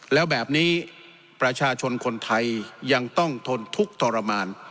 แล้วแบบนี้ประชาชนคนไทยยังต้องทนทุกข์ทรมาน